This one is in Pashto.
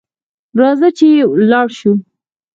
راځه چي ولاړ سو .